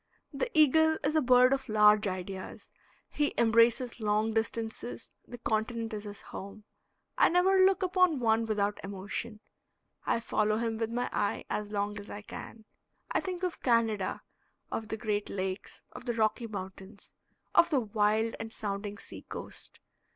The eagle is a bird of large ideas, he embraces long distances; the continent is his home. I never look upon one without emotion; I follow him with my eye as long as I can. I think of Canada, of the Great Lakes, of the Rocky Mountains, of the wild and sounding sea coast.